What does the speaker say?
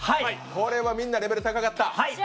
これはみんな、レベル高かった。